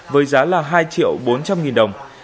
với giá là hai triệu bốn triệu đồng